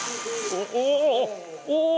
おお！